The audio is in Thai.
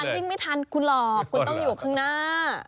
วิ่งไม่ทันคุณหลอกคุณต้องอยู่ข้างหน้า